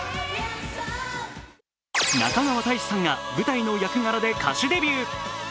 中川大志さんが舞台の役柄で歌手デビュー。